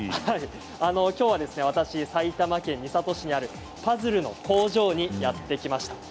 きょうは私埼玉県三郷市にあるパズルの工場にやって来ました。